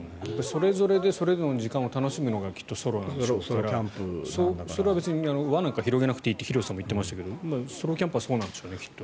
それぞれでそれぞれの時間を楽しむのがソロなんでしょうからそれは別に輪なんか広げなくていいってヒロシさんも言っていましたがソロキャンプはそうなんでしょうね、きっと。